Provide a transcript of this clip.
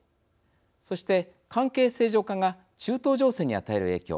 そして、関係正常化が中東情勢に与える影響。